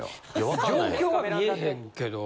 状況が見えへんけど。